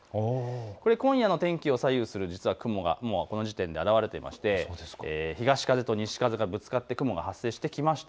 今夜の天気を左右する雲がこの時点で現れていまして東風と西風がぶつかって雲が発生してきました。